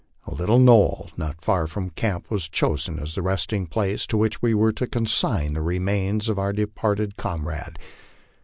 A little knoll not far from camp was chosen as the resting place to which we were to consign the remains of our departed com rade.